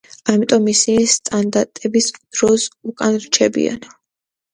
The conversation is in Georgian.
ამიტომ ისინი სტანდარტების დროს უკან რჩებიან.